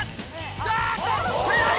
あっと早い！